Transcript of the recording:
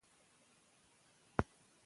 د هیواد سرمایه وساتئ.